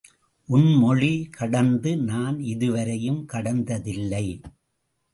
உன் மொழி கடந்து நான் இதுவரையும் கடந்ததில்லை.